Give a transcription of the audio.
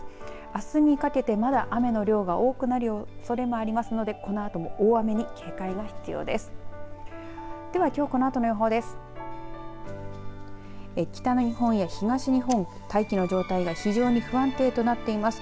あすにかけて雨の量が多くなるおそれがありますのでこのあとも大雨に警戒が必要です。